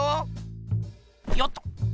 よっと。